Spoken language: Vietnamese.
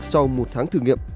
sau một tháng thử nghiệm